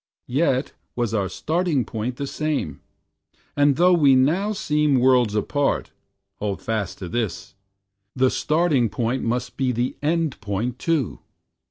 Yet was our starting point the same, and though We now seem worlds apart hold fast to this! The Starting point must be the End point too!